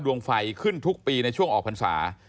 ดวงไฟขึ้นทุกปีในช่วงออกพรรษา